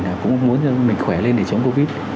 nhiều người cũng muốn cho mình khỏe lên để chống covid